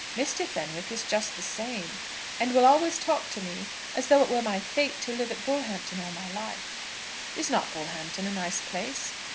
Mr. Fenwick is just the same, and will always talk to me as though it were my fate to live at Bullhampton all my life." "Is not Bullhampton a nice place?"